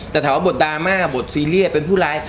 แต่ถามว่าบทดราม่าบทซีเรียสเป็นผู้ร้าย